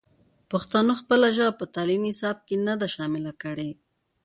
پښتنو خپله ژبه په تعلیمي نصاب کې نه ده شامل کړې.